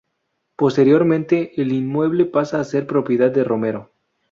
Posteriormente el inmueble pasa a ser propiedad de Romero.